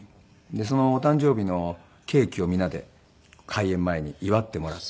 でそのお誕生日のケーキを皆で開演前に祝ってもらって。